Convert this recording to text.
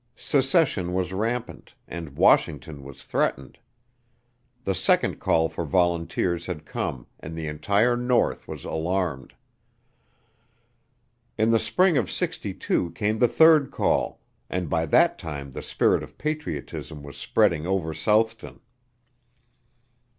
Secession was rampant, and Washington was threatened. The second call for volunteers had come and the entire North was alarmed. In the spring of '62 came the third call, and by that time the spirit of patriotism was spreading over Southton.